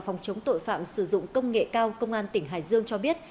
phòng chống tội phạm sử dụng công nghệ cao công an tỉnh hải dương cho biết